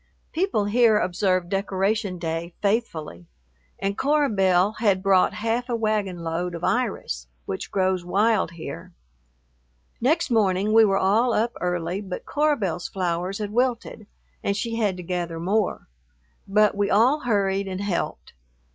... People here observe Decoration Day faithfully, and Cora Belle had brought half a wagon load of iris, which grows wild here. Next morning we were all up early, but Cora Belle's flowers had wilted and she had to gather more, but we all hurried and helped.